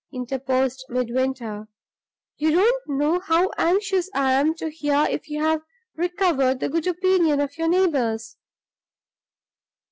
interposed Midwinter. "You don't know how anxious I am to hear if you have recovered the good opinion of your neighbors."